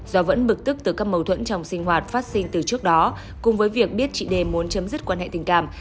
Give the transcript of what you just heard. do vẫn bực tức từ các mâu thuẫn trong sinh hoạt phát sinh từ trước đó cùng với việc biết chị đề muốn chấm dứt quan hệ tình cảm